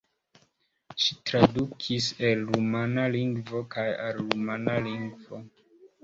Ŝi tradukis el rumana lingvo kaj al rumana lingvo.